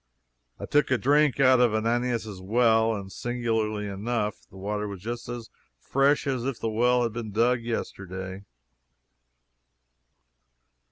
I took a drink out of Ananias' well, and singularly enough, the water was just as fresh as if the well had been dug yesterday.